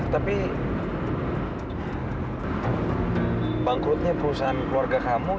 tapi bangkrutnya perusahaan keluarga kamu